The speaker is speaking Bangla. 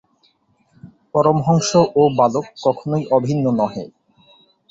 পরমহংস ও বালক কখনই অভিন্ন নহে।